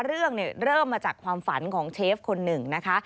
เรื่องเริ่มมาจากความฝันของเชฟคนหนึ่งนะคะ